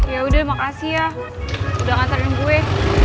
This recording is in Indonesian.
ya udah makasih ya udah ngantarin gue